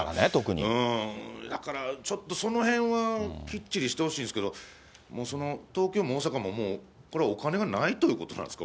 だからちょっと、そのへんはきっちりしてほしいですけど、東京も大阪ももう、これ、お金がないということなんですか。